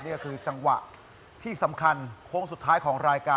นี่ก็คือจังหวะที่สำคัญโค้งสุดท้ายของรายการ